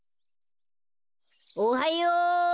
・おはよう。